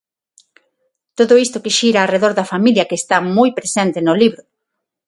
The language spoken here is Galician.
Todo isto que xira arredor da familia, que está moi presente no libro.